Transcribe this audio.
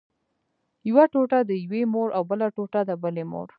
یوه ټوټه د یوې مور او بله ټوټه د بلې مور.